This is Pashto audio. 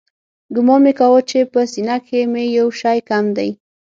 ګومان مې کاوه چې په سينه کښې مې يو شى کم دى.